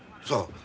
さあ。